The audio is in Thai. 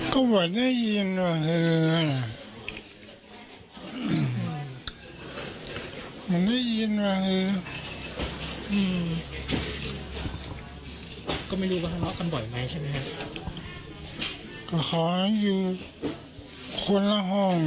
ก็ขอให้อยู่คนละห้องดังนี้อยู่คนละห้อง